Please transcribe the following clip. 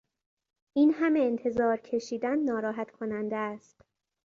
این همه انتظار کشیدن ناراحت کننده است.